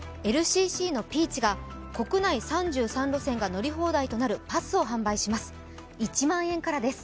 ＬＣＣのピーチが国内３３路線が乗り放題となるパスを販売します。